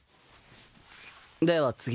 では次。